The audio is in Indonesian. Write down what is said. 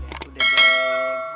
ram udah deh